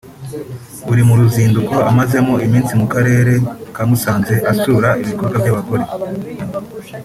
uri mu ruzinduko amazemo iminsi mu Karere ka Musanze asura ibikorwa by’abagore